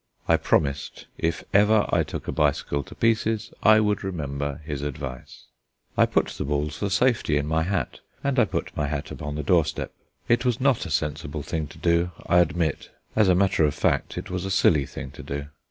I promised, if ever I took a bicycle to pieces I would remember his advice. I put the balls for safety in my hat, and I put my hat upon the doorstep. It was not a sensible thing to do, I admit. As a matter of fact, it was a silly thing to do.